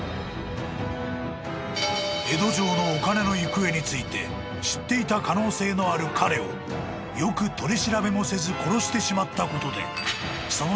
［江戸城のお金の行方について知っていた可能性のある彼をよく取り調べもせず殺してしまったことで］